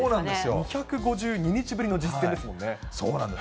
２５２日ぶりの実戦ですもんそうなんです。